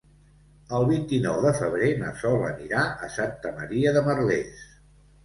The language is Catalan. El vint-i-nou de febrer na Sol anirà a Santa Maria de Merlès.